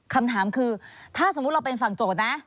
คำถามคือถ้าสมมุติเราเป็นฝั่งโจทย์นะ